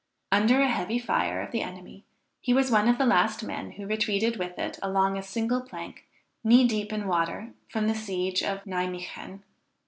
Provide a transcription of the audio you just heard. Under a heavy fire of the enemy, he was one of the last men who retreated with it along a single plank, knee deep in water, from the siege of Nimeguen.